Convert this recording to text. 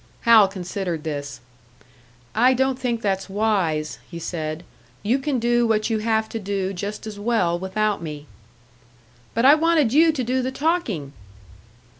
Hal considered this. "I don't think that's wise," he said. "You can do what you have to do just as well without me." "But I wanted you to do the talking!"